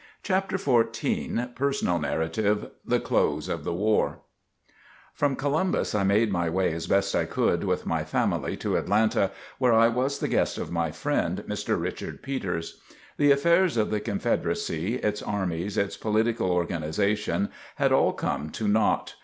CHAPTER XIV PERSONAL NARRATIVE THE CLOSE OF THE WAR From Columbus I made my way as best I could with my family, to Atlanta, where I was the guest of my friend Mr. Richard Peters. The affairs of the Confederacy, its armies, its political organization, had all come to naught.